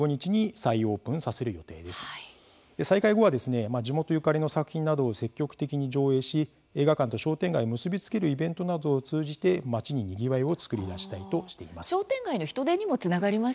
再開後は地元ゆかりの作品などを積極的に上映し映画館と商店街を結び付けるイベントなどを通じて街に、にぎわいを作り出したいとしています。